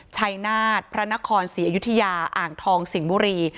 ชัยนาฏพระนครศรีอยุธยาอ่างทองสิงห์บุรี